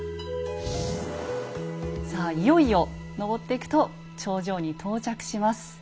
さあいよいよ登っていくと頂上に到着します。